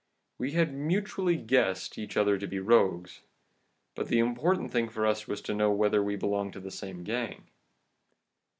We had mutually guessed each other to be rogues, but the important thing for us was to know whether we belonged to the same gang.